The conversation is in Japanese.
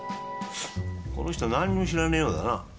この人なんにも知らねえようだな。